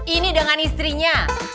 ini dengan istrinya